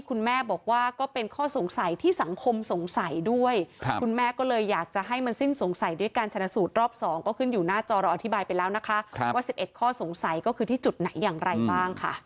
คุณแม่บอกว่าก็เป็นข้อสงสัยที่สังคมสงสัยด้วยคุณแม่ก็เลยอยากจะให้มันสิ้นสงสัยด้วยการชนะสูตรรอบ๒ก็ขึ้นอยู่หน้าจอเราอธิบายไปแล้วนะคะว่า๑๑ข้อสงสัยก็คือที่จุดไหนอย่างไรบ้างค่ะ